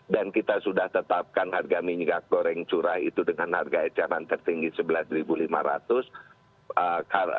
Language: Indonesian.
dan kita sudah tetapkan harga minyak goreng curah itu dengan harga eceran tertinggi rp sebelas lima ratus